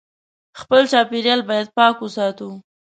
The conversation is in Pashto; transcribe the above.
خپل چاپېریال باید پاک وساتو